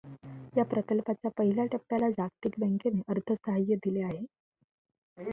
या प्रकल्पाच्या पहिल्या टप्प्याला जागतिक बँकेने अर्थसहाय्य दिले आहे.